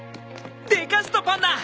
でかしたパンナ！